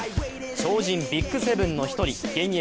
超人ＢＩＧ７の１人現役